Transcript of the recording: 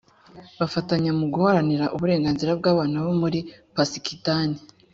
bafatanya mu guharanira uburenganzira bw abana bo muri pasikitani